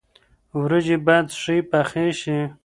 ورجې باید ښې پخې شي.